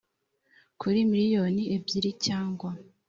kuri miliyoni ebyiri cyangwa